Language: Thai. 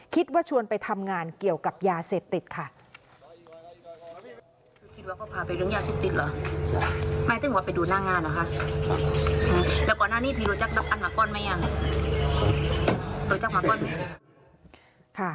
ชวนไปทำงานเกี่ยวกับยาเสพติดค่ะ